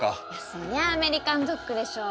そりゃあアメリカンドッグでしょう